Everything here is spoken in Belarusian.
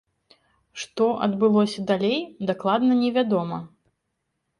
Што адбылося далей, дакладна невядома.